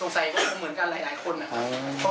ใส่ก็เหมือนกันหลายคนนะครับ